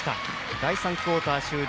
第３クオーター終了。